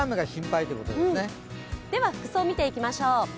では、服装見ていきましょう。